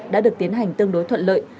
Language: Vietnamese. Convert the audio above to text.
đã được tiến hành tương đối thuận lợi